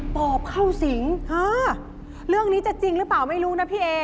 ปอบเข้าสิงเรื่องนี้จะจริงหรือเปล่าไม่รู้นะพี่เอ